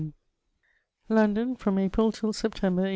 365 London, from April till September, 1822.